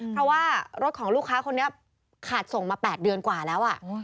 เพราะว่ารถของลูกค้าคนนี้ขาดส่งมา๘เดือนกว่าแล้ว